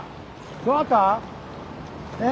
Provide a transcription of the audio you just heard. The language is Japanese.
どなた？え？